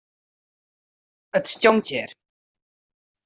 It stjonkt hjir.